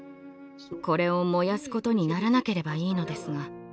これを燃やすことにならなければいいのですが。